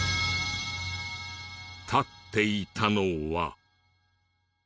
立っていたのは。